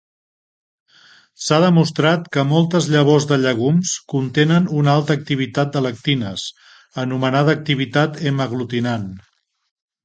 S'ha demostrat que moltes llavors de llegums contenen una alta activitat de lectines, anomenada activitat hemaglutinant.